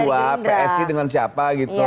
ya itu ada dua psi dengan siapa gitu